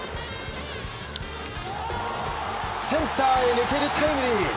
センターへ抜けるタイムリー。